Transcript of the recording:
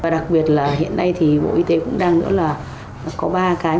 và đặc biệt là hiện nay thì bộ y tế cũng đang có ba cái